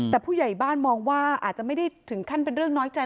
แต่ผู้ใหญ่บ้านมองว่าอาจจะไม่ได้ถึงขั้นเป็นเรื่องน้อยใจ